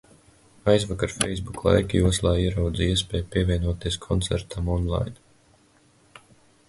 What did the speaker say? Aizvakar facebook laika joslā ieraudzīju iespēju pievienoties koncertam on-line.